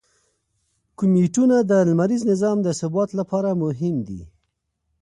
کومیټونه د لمریز نظام د ثبات لپاره مهم دي.